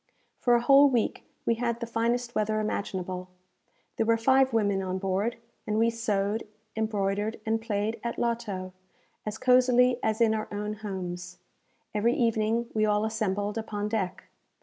For a whole week we had the finest weather imaginable. There were five women on board; and we sewed, embroidered, and played at loto, as cosily as in our own homes. Every evening we all assembled upon deck.